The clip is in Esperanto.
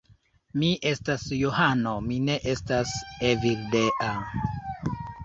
Mi estas Johano, mi ne estas Evildea.